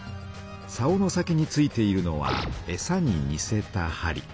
さおの先に付いているのはえさににせたはり。